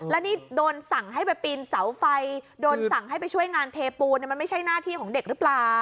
แล้วนี่โดนสั่งให้ไปปีนเสาไฟโดนสั่งให้ไปช่วยงานเทปูนมันไม่ใช่หน้าที่ของเด็กหรือเปล่า